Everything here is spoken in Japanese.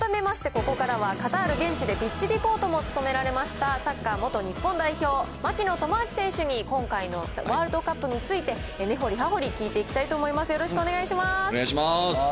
さあ、改めまして、ここからはカタール現地でピッチリポートも務められました、サッカー元日本代表、槙野智章選手に今回のワールドカップについて、根掘り葉掘り聞いていきたいと思います。